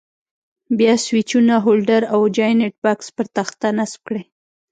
بیا سویچونه، هولډر او جاینټ بکس پر تخته نصب کړئ.